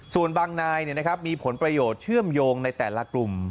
ส่วนบางนายมีผลประโยชน์เชื่อมโยงในแต่ละกลุ่ม